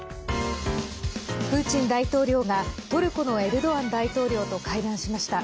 プーチン大統領がトルコのエルドアン大統領と会談しました。